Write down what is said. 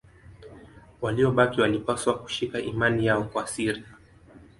Waliobaki walipaswa kushika imani yao kwa siri.